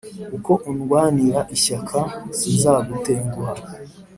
uko undwanira ishyaka sinzagutenguha